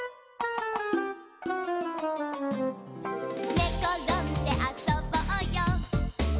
「ねころんであそぼうよ」